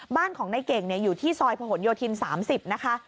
บ้านของนายเก่งเนี่ยอยู่ที่ซอยพระหลโยธิน๓๐นะคะ